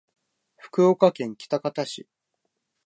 福島県喜多方市